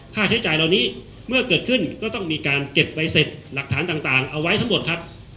ค่าใช้จ่ายเหล่านี้เมื่อเกิดขึ้นก็ต้องมีการเก็บใบเสร็จหลักฐานต่างเอาไว้ทั้งหมดครับ